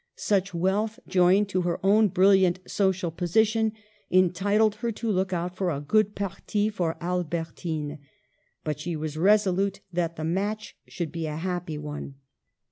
Such wealth, joined to her own brilliant social position, entitled her to look out for a good parti for Albertine ; but she was resolute that the match should be a happy one.